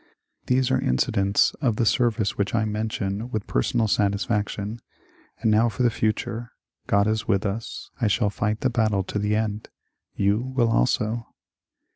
These are incidents of the service which I mention with per sonal satisfaction. And now for the future ! Grod is with us. I shall fight the battle to the end. You will also.